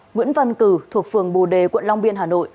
nguyễn văn cử thuộc phường bù đề quận long biên hà nội